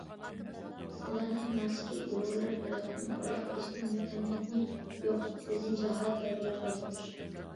ئۇلارنىڭ مەقسىتى ئۇيغۇرلار ياراتقان بارلىق ئېسىل مەدەنىيەتنى يوقىتىپ، بىزنى جاھالەت دەۋرىگە قايتۇرۇش.